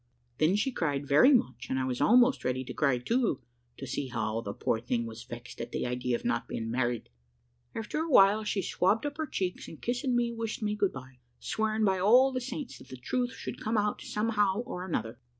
Then she cried very much, and I was almost ready to cry too, to see how the poor thing was vexed at the idea of not being married. After a while she swabbed up her cheeks, and kissing me, wished me good bye, swearing by all the saints that the truth should come out somehow or another.